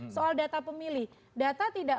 soal data pemilih data tidak